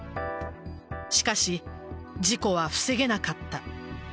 しかし事故は防げなかった。